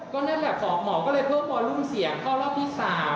ก็นั่นแหละหมอก็เลยเพิ่มบอลรูปเสียงเข้ารอบที่๓